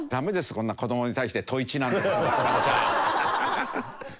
こんな子どもに対してトイチなんて言葉使っちゃ。